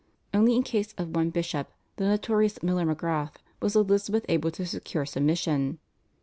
Only in case of one bishop, the notorious Miler Magrath, was Elizabeth able to secure submission.